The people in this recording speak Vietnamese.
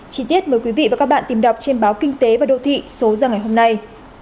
chí tiết mời quý vị và các bạn tìm đọc trên báo kinh tế và đô thị số ra ngày hôm nay